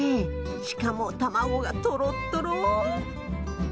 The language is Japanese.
しかも卵がとろっとろ。